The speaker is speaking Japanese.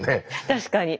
確かに。